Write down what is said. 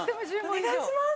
お願いします！